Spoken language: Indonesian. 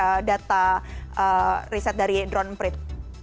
dari data riset dari droneprint